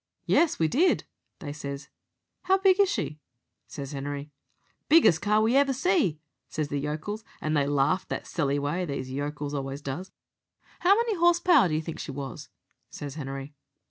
"'Yes, we did,' they says. "'How big is she?' says Henery. "'Biggest car ever we see,' says the yokels, and they laughed that silly way these yokels always does. "'How many horse power do you think she was?' says Henery.